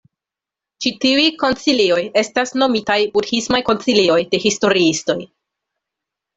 Ĉi tiuj koncilioj estas nomitaj "budhismaj koncilioj" de historiistoj.